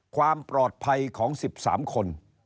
ความปลอดภัยของ๑๓คน